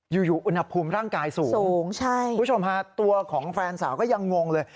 อยู่อยู่อุณหภูมิร่างกายสูงสูงคุณผู้ชมฮะตัวของแฟนสาวก็ยังงงเลย